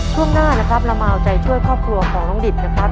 ช่วงหน้านะครับเรามาเอาใจช่วยครอบครัวของน้องดิตนะครับ